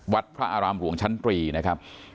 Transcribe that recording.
พระอารามหลวงชั้นตรีนะครับ